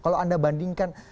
kalau anda bandingkan